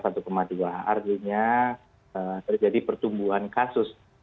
artinya terjadi pertumbuhan kasus